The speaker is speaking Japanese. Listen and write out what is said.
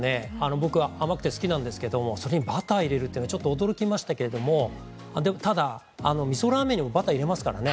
僕は甘くて好きなんですけどもそれにバター入れるってのはちょっと驚きましたけれどもでもただ味噌ラーメンにもバター入れますからね